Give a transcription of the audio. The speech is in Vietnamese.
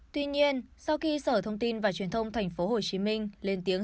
tuy nhiên sau khi sở thông tin và truyền thông tp hcm lên tiếng